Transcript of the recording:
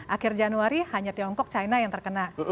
akhir januari hanya tiongkok china yang terkena